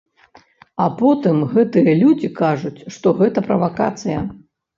А потым гэтыя людзі кажуць, што гэта правакацыя.